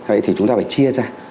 vậy thì chúng ta phải chia ra